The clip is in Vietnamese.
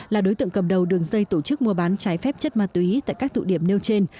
là đối tượng cầm đầu đường dây tổ chức mua bán trái phép chất ma túy tại các tụ điểm nêu trên